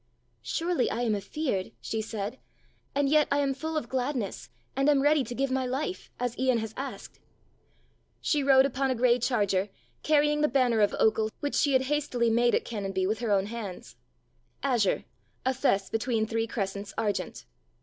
"Surely I am afeared," she said, "and yet I am full of gladness and am ready to give my life, as Ian has asked." She rode upon a grey charger carrying the banner of Ochil which she had hastily made at Canonbie with her own hands; azure, a fesse between three crescents argent.